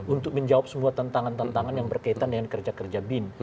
untuk menjawab semua tantangan tantangan yang berkaitan dengan kerja kerja bin